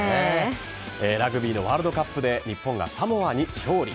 ラグビーのワールドカップで日本がサモアに勝利。